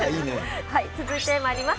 続いてまいります。